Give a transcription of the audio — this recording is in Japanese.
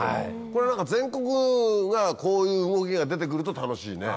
これ全国がこういう動きが出て来ると楽しいね。